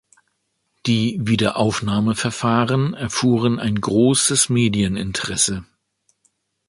Die Wiederaufnahmeverfahren erfuhren ein großes Medieninteresse.